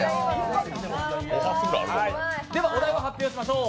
ではお題を発表しましょう。